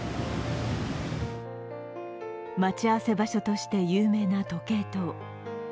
待ち合わせ場所として有名な時計塔。